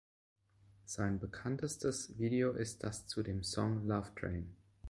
Sein bekanntestes Video ist das zu dem Song "Love Train".